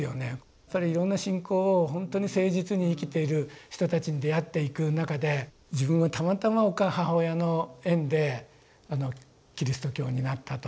やっぱりいろんな信仰をほんとに誠実に生きている人たちに出会っていく中で自分はたまたま母親の縁でキリスト教になったという。